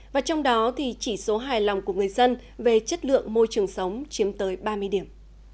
và trong đó thì chỉ số hài lòng của người dân về chất lượng môi trường sống chiếm tới ba mươi điểm